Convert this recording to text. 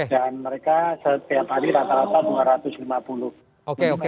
dan mereka setiap hari rata rata dua ratus lima puluh